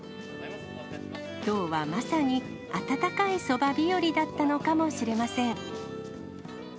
きょうはまさに、温かいそば日和だったのかもしれません。